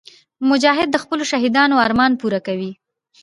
مجاهد د خپلو شهیدانو ارمان پوره کوي.